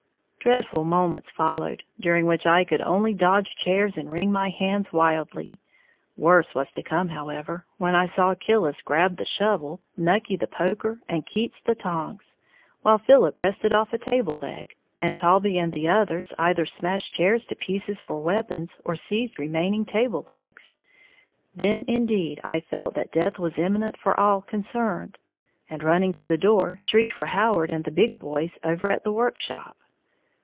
"] Dreadful moments followed, during which I could only dodge chairs and wring my hands wildly. Worse was to come, however, when I saw Killis grab the shovel, Nucky the poker, and Keats the tongs, while Philip wrested off a table leg, and Taulbee and others either smashed chairs to pieces for weapons, or seized remaining table legs, then indeed I felt that death was imminent for all concerned, and, running to the door, shrieked for Howard and the big boys over the workshop.